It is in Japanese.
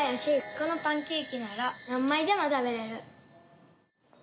このパンケーキなら何枚でも食べれる。